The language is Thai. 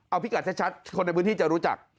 เอาพิกัดชัดคนในพื้นที่จะรู้จัก